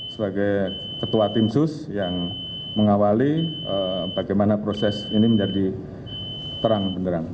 sebagai ketua tim sus yang mengawali bagaimana proses ini menjadi terang beneran